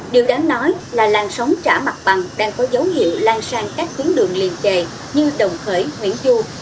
điều đáng nói là làng sóng trả mặt bằng đang có dấu hiệu lan sang các tuyến đường liền kề như đồng khởi nguyễn du